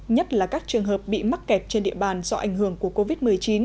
nhất là các trường hợp bị mắc kẹt trên địa bàn do ảnh hưởng của covid một mươi chín